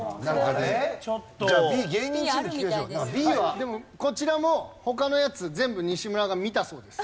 でもこちらも他のやつ全部西村が見たそうです。